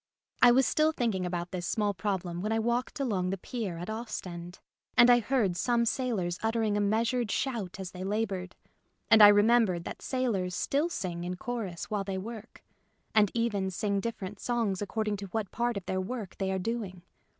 I was still thinking about this small problem when I walked along the pier at Ostend ; and I heard some sailors uttering a measured shout as they laboured, and I remembered that sailors still sing in chorus while they work, and even sing dif ferent songs according to what part of their work they are doing.